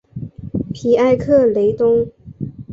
皮埃克雷东。